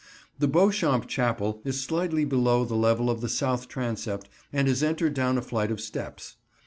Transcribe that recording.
The Beauchamp Chapel is slightly below the level of the south transept and is entered down a flight of steps.